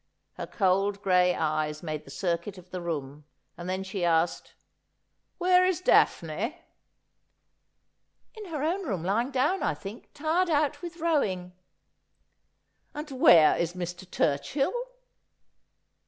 Her cold gray eyes made the circuit of the room, and then she asked :' Where is Daphne ?'' In her own room — lying down, I think, tired out with rowing.' ' And where is Mr. Turchill